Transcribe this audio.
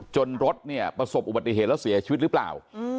รถเนี่ยประสบอุบัติเหตุแล้วเสียชีวิตหรือเปล่า